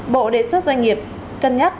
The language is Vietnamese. bộ đề xuất doanh nghiệp cân nhắc